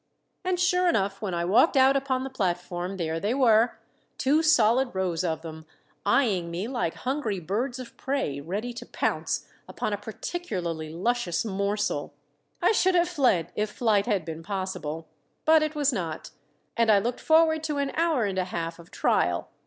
And sure enough when I walked out upon the platform there they were, two solid rows of them, eying me like hungry birds of prey ready to pounce upon a particularly luscious morsel. I should have fled if flight had been possible; but it was not, and I looked forward to an hour and a half of trial.